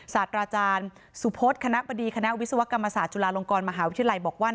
ศาสตราจารย์สุพศคณะบดีคณะวิศวกรรมศาสตร์จุฬาลงกรมหาวิทยาลัยบอกว่า